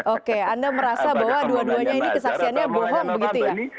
oke anda merasa bahwa dua duanya ini kesaksiannya bohong begitu ya